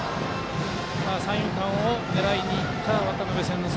三遊間を狙いにいった渡邉千之亮